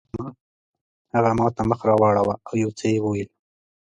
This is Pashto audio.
هغه ماته مخ راواړاوه او یو څه یې وویل.